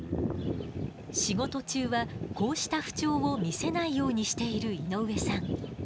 仕事中はこうした不調を見せないようにしている井上さん。